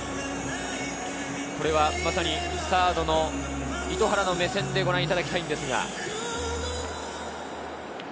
これはまさにサードの糸原の目線でご覧いただきたいんですが。